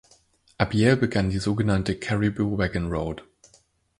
Ab Yale begann die sogenannte Cariboo Wagon Road.